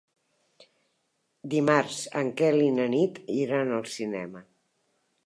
Dimarts en Quel i na Nit iran al cinema.